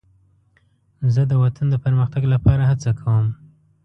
زه د وطن د پرمختګ لپاره هڅه کوم.